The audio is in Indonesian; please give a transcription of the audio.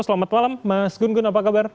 selamat malam mas gunggun apa kabar